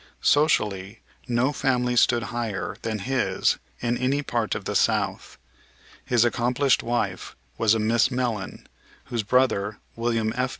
Socially no family stood higher than his in any part of the South. His accomplished wife was a Miss Mellen, whose brother, William F.